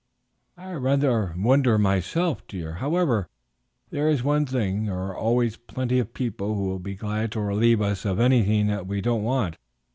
"I rather wonder myself, dear. However, there is one thing, there are always plenty of people who will be glad to relieve us of anything that we don't want.